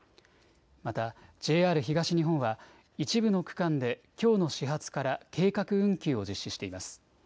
またＪＲ東日本は一部の区間できょうの始発から計画運休を実施しています。